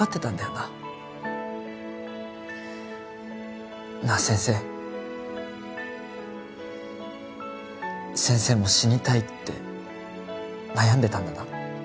ななあ先生先生も死にたいって悩んでたんだな